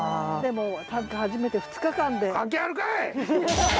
でも短歌始めて２日間で。